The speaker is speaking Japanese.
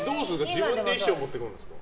自分で衣装持ってくるんですか？